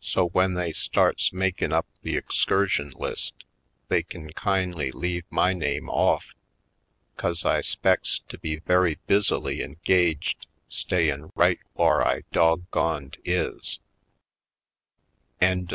So, w'en they starts makin' up the excursion list they kin kin'ly leave my name off, 'cause I 'spects to be very busily engaged stayin' right whar I dog goned isl" A